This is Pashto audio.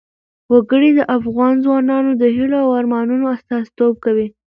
وګړي د افغان ځوانانو د هیلو او ارمانونو استازیتوب کوي.